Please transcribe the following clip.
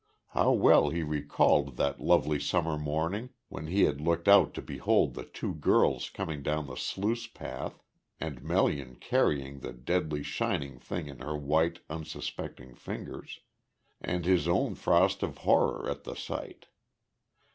How well he recalled that lovely summer morning when he had looked out to behold the two girls coming down the sluice path and Melian carrying the deadly shining thing in her white, unsuspecting fingers and his own frost of horror at the sight.